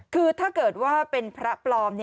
คือถ้าเกิดว่าเป็นพระปลอม